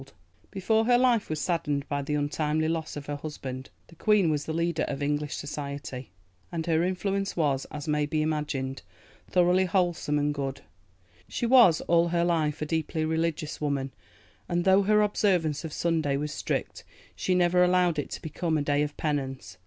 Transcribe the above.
[Illustration: THE VICTORIA AND ALBERT MUSEUM, SOUTH KENSINGTON] Before her life was saddened by the untimely loss of her husband the Queen was the leader of English society, and her influence was, as may be imagined, thoroughly wholesome and good. She was all her life a deeply religious woman, and though her observance of Sunday was strict, she never allowed it to become a day of penance.